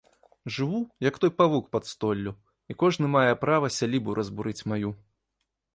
Жыву, як той павук пад столлю, і кожны мае права сялібу разбурыць маю.